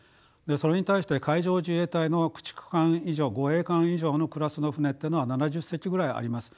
それに対して海上自衛隊の駆逐艦以上護衛艦以上のクラスの船ってのは７０隻ぐらいあります。